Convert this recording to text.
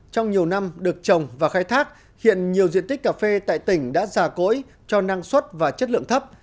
trong nhiều năm được trồng và khai thác hiện nhiều diện tích cà phê tại tỉnh đã già cỗi cho năng suất và chất lượng thấp